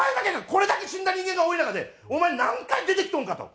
これだけ死んだ人間が多い中でお前何回出てきとんか！と。